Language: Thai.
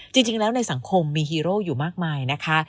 จริงแล้วในสังคมมีฮีโร่อยู่มากมายนะคะ